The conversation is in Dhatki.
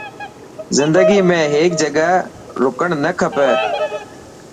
زندگي ۾ هيڪ جڳهه رڪرڻ نه کپي.